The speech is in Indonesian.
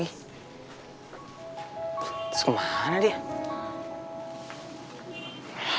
terus kemana dia